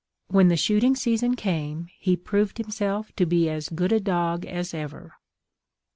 When the shooting season came, he proved himself to be as good a dog as ever.